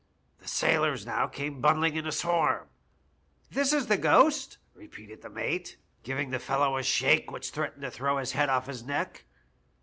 " The sailors now came bundling in in a swarm. "* This is the ghost,' repeated the mate, giving the fellow a shake which threatened to throw his head off his neck.